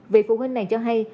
vì phụ huynh này cho hay